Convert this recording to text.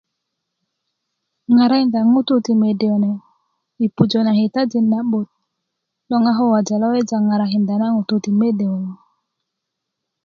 ŋarakinda ŋutu ti mede kune i pujö na kitajin na 'but loŋ a ko wejalewejá ŋarakinda na ŋutu ti mede kulo